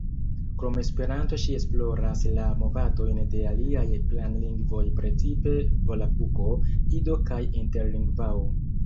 Krom Esperanto ŝi esploras la movadojn de aliaj planlingvoj, precipe volapuko, ido kaj interlingvao.